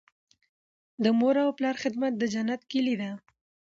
د مور او پلار خدمت د جنت کیلي ده.